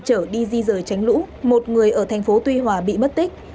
chở đi di rời tránh lũ một người ở thành phố tuy hòa bị mất tích